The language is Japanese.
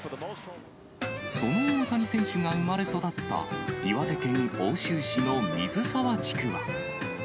その大谷選手が生まれ育った、岩手県奥州市の水沢地区は。